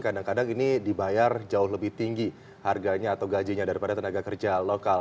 kadang kadang ini dibayar jauh lebih tinggi harganya atau gajinya daripada tenaga kerja lokal